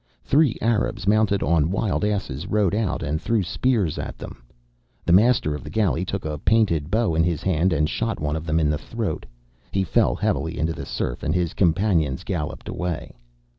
Three Arabs mounted on wild asses rode out and threw spears at them. The master of the galley took a painted bow in his hand and shot one of them in the throat. He fell heavily into the surf, and his companions galloped away.